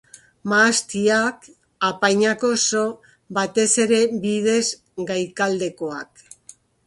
Mahastiak, apainak oso, batez ere bidez gaikaldekoak.